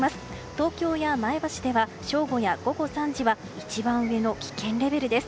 東京や前橋では正午や午後３時は一番上の危険レベルです。